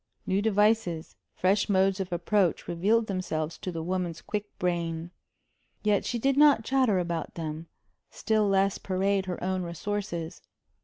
New devices, fresh modes of approach revealed themselves to the woman's quick brain. Yet she did not chatter about them; still less parade her own resources.